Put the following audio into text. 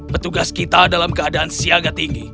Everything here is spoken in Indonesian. petugas kita dalam keadaan siaga tinggi